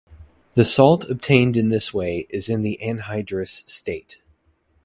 The salt obtained in this way is in the anhydrous state.